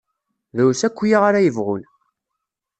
Drus akya ara yebɣun.